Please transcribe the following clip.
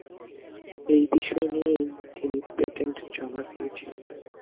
এই বিষয় নিয়েই তিনি পেটেন্ট জমা দিয়েছিলেন।